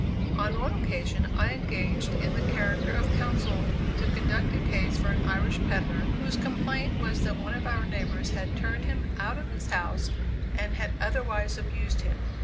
On one occasion I engaged in the character of counsel to conduct a case for an Irish peddler whose complaint was that one of our neighbors had turned him out of his house and had otherwise abused him.